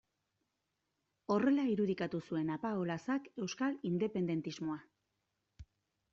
Horrela irudikatu zuen Apaolazak euskal independentismoa.